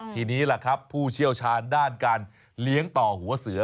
ทีนี้ล่ะครับผู้เชี่ยวชาญด้านการเลี้ยงต่อหัวเสือ